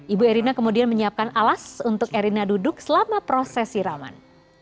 ibu erina kemudian menyiapkan alas untuk erina duduk selama proses siraman